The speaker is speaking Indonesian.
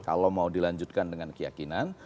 kalau mau dilanjutkan dengan keyakinan